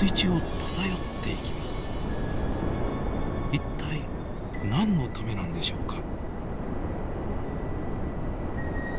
一体何のためなんでしょうか？